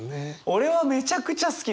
俺はめちゃくちゃ好きです。